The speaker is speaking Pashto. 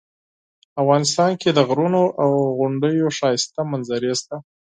افغانستان کې د غرونو او غونډیو ښایسته منظرې شته